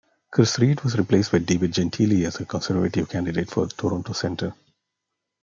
Chris Reid was replaced by David Gentili as the Conservative candidate for Toronto Centre.